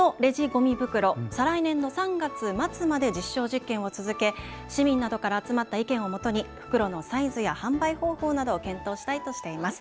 このレジごみ袋、再来年３月末まで実証実験を続け市民などから集まった意見をもとに袋のサイズや販売方法などを検討したいとしています。